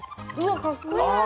あかっこいい。